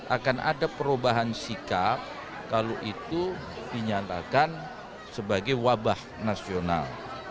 akan ada perubahan sikap kalau itu dinyatakan sebagai wabah nasional